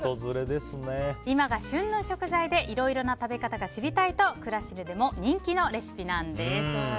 今が旬の食材でいろいろな食べ方が知りたいとクラシルでも人気のレシピなんです。